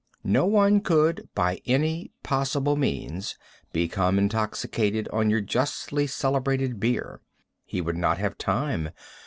No one could, by any possible means, become intoxicated on your justly celebrated beer. He would not have time.